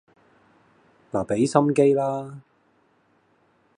嗱畀心機啦